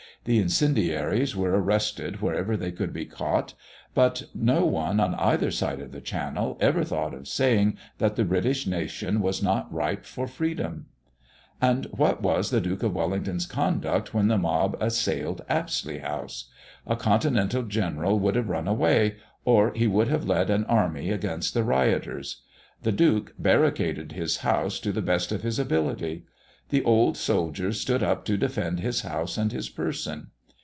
The incendiaries were arrested wherever they could be caught; but no one on either side of the Channel ever thought of saying, that the British nation was not ripe for freedom! And what was the Duke of Wellington's conduct when the mob assailed Apsley House? A continental general would have run away, or he would have led an army against the rioters. The Duke barricaded his house to the best of his ability. The old soldier stood up to defend his house and his person.